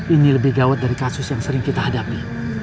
ini lebih gawat dari kasus yang sering kita hadapi